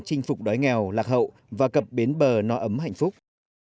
chinh phục đói nghèo lạc hậu và cập bến bờ no ấm hạnh phúc